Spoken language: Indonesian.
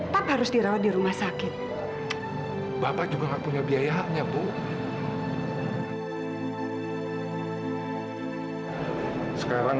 bagaimana saja muda muda bukan